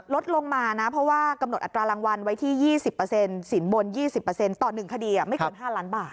ลดลงมานะเพราะว่ากำหนดอัตรารางวัลไว้ที่๒๐สินบน๒๐ต่อ๑คดีไม่เกิน๕ล้านบาท